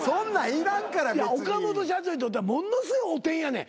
いや岡本社長にとってはものすごい汚点やねん。